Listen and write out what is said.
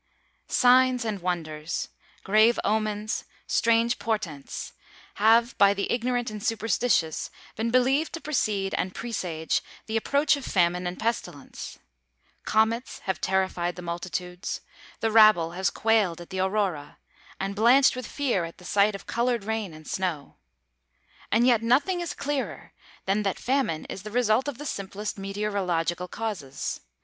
Signs and wonders, grave omens, strange portents, have by the ignorant and superstitious been believed to precede and presage the approach of famine and pestilence. Comets have terrified the multitudes; the rabble has quailed at the aurora, and blanched with fear at the sight of colored rain and snow. And yet nothing is clearer than that famine is the result of the simplest meteorological causes.